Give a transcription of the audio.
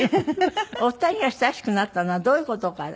お二人が親しくなったのはどういう事から？